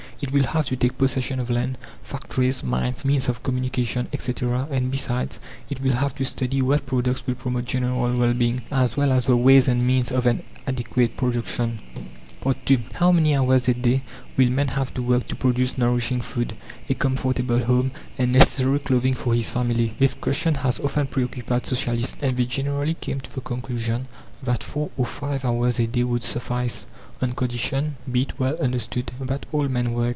It will have to take possession of land, factories, mines, means of communication, etc., and besides, it will have to study what products will promote general well being, as well as the ways and means of an adequate production. II How many hours a day will man have to work to produce nourishing food, a comfortable home, and necessary clothing for his family? This question has often preoccupied Socialists, and they generally came to the conclusion that four or five hours a day would suffice, on condition, be it well understood, that all men work.